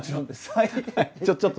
はい。